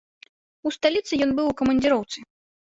У сталіцы ён быў у камандзіроўцы.